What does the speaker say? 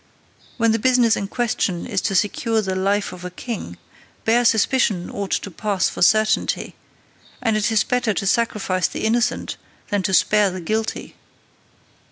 When the business in question is to secure the life of a king, bare suspicion ought to pass for certainty; and it is better to sacrifice the innocent than to spare the guilty.